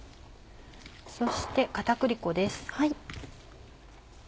そして片栗粉です。